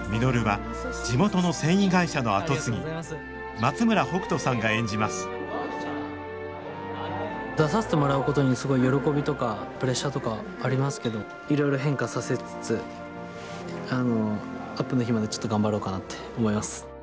松村北斗さんが演じます出させてもらうことにすごい喜びとかプレッシャーとかありますけどいろいろ変化させつつあのアップの日までちょっと頑張ろうかなって思います。